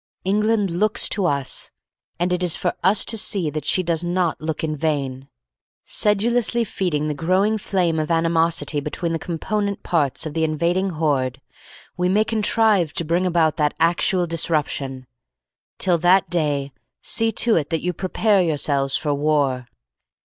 England looks to us, and it is for us to see that she does not look in vain. Sedulously feeding the growing flame of animosity between the component parts of the invading horde, we may contrive to bring about that actual disruption. Till that day, see to it that you prepare yourselves for war.